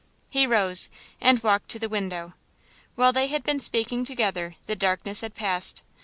He rose, and walked to the window. While they had been speaking together the darkness had passed.